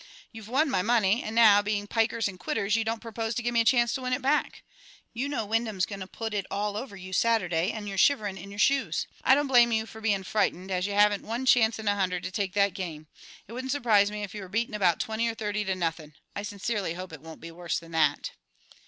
You've won my money, and now, being pikers and quitters, you don't propose to give me a chance to win it back. You know Wyndham's going to put it all over you Saturday, and you're shivering in your shoes. I don't blame you for being frightened, as you haven't one chance in a hundred to take that game. It wouldn't surprise me if you were beaten about twenty or thirty to nothing; I sincerely hope it won't be worse than that."